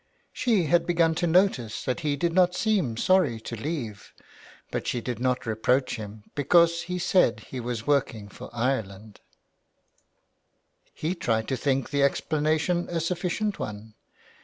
She had begun to notice that he did not seem sorry to leave, but she did not reproach him, because he said he was working for 346 THE WILD GOOSE. Ireland. He tried to think the explanation a sufficient one.